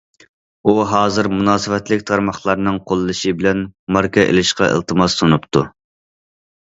ئۇ ھازىر مۇناسىۋەتلىك تارماقلارنىڭ قوللىشى بىلەن، ماركا ئېلىشقا ئىلتىماس سۇنۇپتۇ.